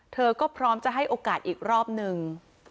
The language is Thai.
เป็นโอกาสอีกรอบหนึ่ง